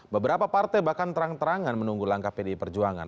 beberapa partai bahkan terang terangan menunggu langkah pdi perjuangan